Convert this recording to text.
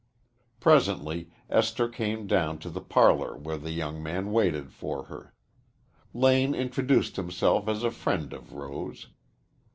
Presently Esther came down to the parlor where the young man waited for her. Lane introduced himself as a friend of Rose.